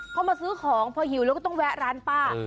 พอมาซื้อของพอหิวแล้วก็ต้องแวะร้านป้า